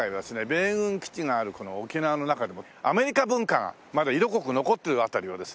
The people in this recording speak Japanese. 米軍基地があるこの沖縄の中でもアメリカ文化がまだ色濃く残ってる辺りをですね